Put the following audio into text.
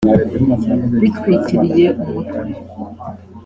bitwikiriye umutwe